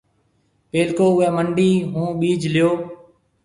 پيلڪو اُوئي منڊِي هون ٻِيج ليو۔